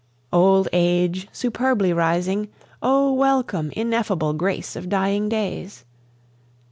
Old age superbly rising! O welcome, ineffable grace of dying days!